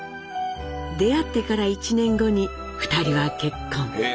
出会ってから１年後に２人は結婚。へ。